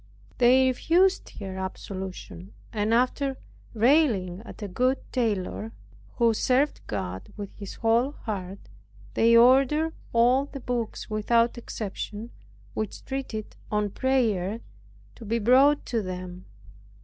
They refused her absolution; and after railing at a good tailor, who served God with his whole heart, they ordered all the books without exception, which treated on prayer to be brought to them.